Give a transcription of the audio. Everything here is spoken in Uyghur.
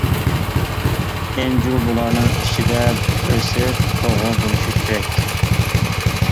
ئەنجۈر بۇلارنىڭ ئىچىدە بىرسى توغرا بولۇشى كېرەك.